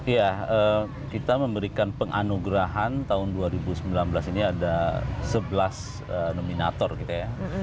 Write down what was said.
ya kita memberikan penganugerahan tahun dua ribu sembilan belas ini ada sebelas nominator gitu ya